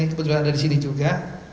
kebetulan ada disini juga